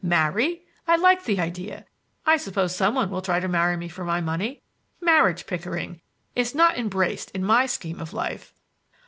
Marry! I like the idea! I suppose some one will try to marry me for my money. Marriage, Pickering, is not embraced in my scheme of life!"